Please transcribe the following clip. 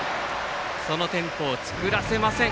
そのテンポを作らせません